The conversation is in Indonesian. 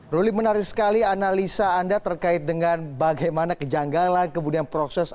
ruli menarik sekali analisa anda terkait dengan bagaimana kejanggalan kemudian proses